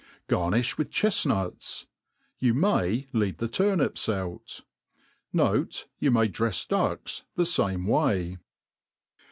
Garnifl) with chdhuts. You may leave the turnips out. Note, You may drefs ducks the fame way.